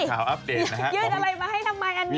อัปเดตยืดอะไรมาให้ทำไมอันนี้